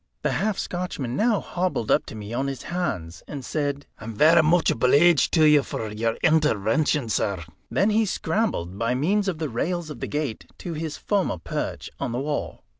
The half Scotchman now hobbled up to me on his hands, and said: "I'm varra much obleeged to you for your intervention, sir." Then he scrambled, by means of the rails of the gate, to his former perch on the wall.